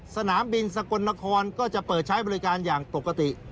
สนามบินสกลนครก็จะเปิดใช้บริการอย่างปกติ